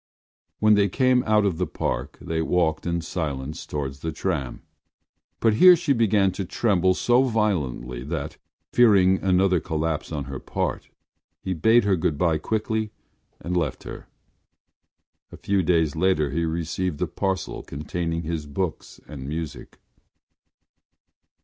When they came out of the Park they walked in silence towards the tram; but here she began to tremble so violently that, fearing another collapse on her part, he bade her good bye quickly and left her. A few days later he received a parcel containing his books and music.